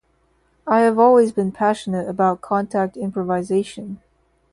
I have always been passionate about Contact Improvisation.